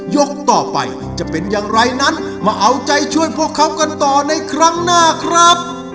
ยกต่อไปจะเป็นอย่างไรนั้นมาเอาใจช่วยพวกเขากันต่อในครั้งหน้าครับ